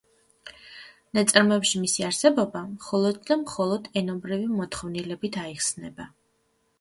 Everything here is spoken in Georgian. ნაწარმოებში მისი არსებობა მხოლოდ და მხოლოდ ენობრივი მოთხოვნილებით აიხსნება.